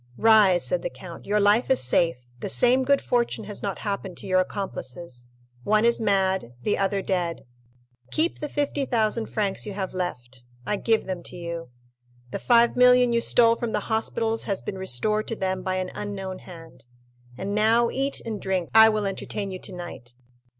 "Rise," said the count, "your life is safe; the same good fortune has not happened to your accomplices—one is mad, the other dead. Keep the 50,000 francs you have left—I give them to you. The 5,000,000 you stole from the hospitals has been restored to them by an unknown hand. And now eat and drink; I will entertain you tonight.